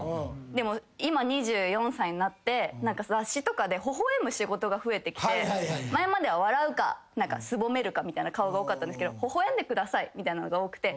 でも今２４歳になって雑誌とかで微笑む仕事が増えてきて前までは笑うかすぼめるかみたいな顔が多かったんですけど微笑んでくださいみたいなのが多くて。